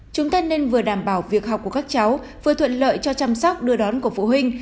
chúng ta nên vừa đảm bảo việc học của các cháu vừa thuận lợi cho chăm sóc đưa đón của phụ huynh